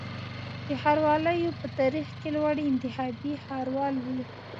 د ښاروالیو په تاریخ کي لوړی انتخابي ښاروال و